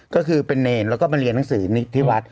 ก็คือเป็นเนรแล้วก็มาเรียนหนังสือที่วัด